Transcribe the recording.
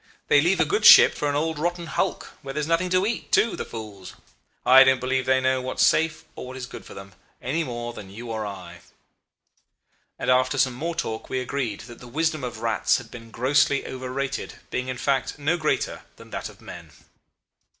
They leave a good ship for an old rotten hulk, where there is nothing to eat, too, the fools!... I don't believe they know what is safe or what is good for them, any more than you or I.' "And after some more talk we agreed that the wisdom of rats had been grossly overrated, being in fact no greater than that of men.